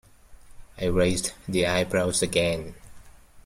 I raised the eyebrows again.